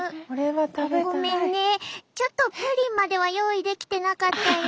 ごめんねちょっとプリンまでは用意できてなかったよ。